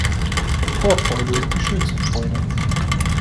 Vorfreude ist die schönste Freude.